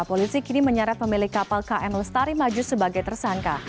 polisi kini menyeret pemilik kapal km lestari maju sebagai tersangka